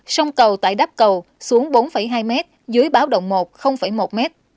sông cầu tại đắp cầu xuống bốn hai m dưới báo động một một m